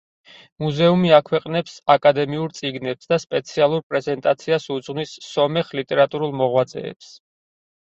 მუზეუმი აქვეყნებს აკადემიურ წიგნებს და სპეციალურ პრეზენტაციას უძღვნის სომეხ ლიტერატურულ მოღვაწეებს.